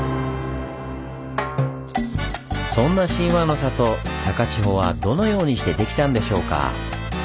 そんな「神話の里・高千穂」はどのようにしてできたんでしょうか？